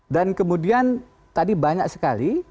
dan kemudian tadi banyak sekali